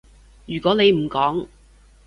如果你唔講